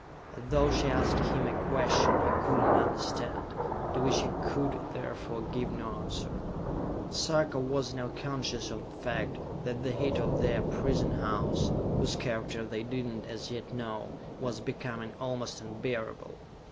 As though she asked him a question he could not understand, to which he could therefore give no answer. Sarka was now conscious of the fact that the heat of their prison house whose character they did not as yet know was becoming almost unbearable.